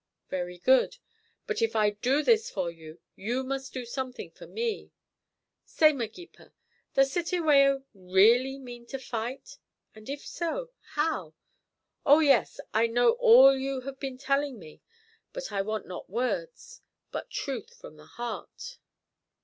"Very good. But if I do this for you, you must do something for me. Say, Magepa, does Cetewayo really mean to fight, and if so, how? Oh yes, I know all you have been telling me, but I want not words, but truth from the heart."